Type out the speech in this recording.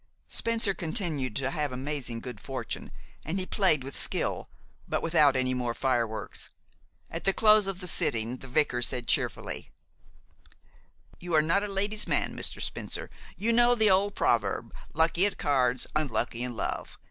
Spencer continued to have amazing good fortune, and he played with skill, but without any more fireworks. At the close of the sitting the vicar said cheerfully: "You are not a ladies' man, Mr. Spencer. You know the old proverb, lucky at cards, unlucky in love?